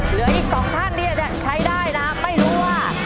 เหลืออีกสองท่านเนี่ยใช้ได้นะไม่รู้ว่า